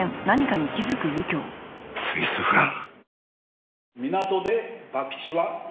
スイスフラン！